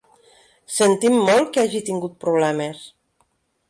Sentim molt que hagi tingut problemes.